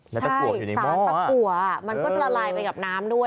ใช่สารตะกัวมันก็จะละลายไปกับน้ำด้วย